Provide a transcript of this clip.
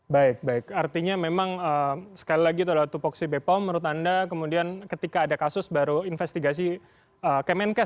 baik baik artinya memang sekali lagi terlalu tofoksi b pom menurut anda kemudian ketika ada kasus baru investigasi kemenkes